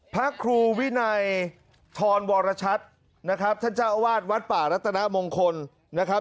พระครูวินัยทรวรชัดนะครับท่านเจ้าอาวาสวัดป่ารัตนมงคลนะครับ